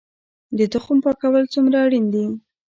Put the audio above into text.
د تخم پاکول څومره اړین دي؟